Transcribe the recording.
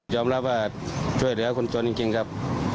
ยอมรับช่วยเหลือคนจนจริงครับ